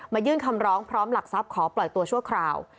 ยื่นคำร้องพร้อมหลักทรัพย์ขอปล่อยตัวชั่วคราว